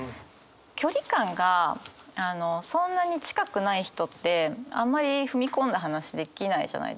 距離感がそんなに近くない人ってあんまり踏み込んだ話できないじゃないですか。